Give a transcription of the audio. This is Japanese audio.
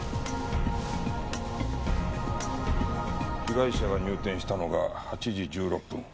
被害者が入店したのが８時１６分。